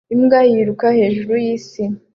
imbwa yiruka hejuru yisi